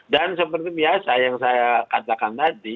dan seperti biasa yang saya katakan tadi